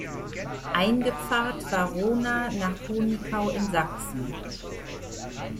Eingepfarrt war Rohna nach Ponickau in Sachsen.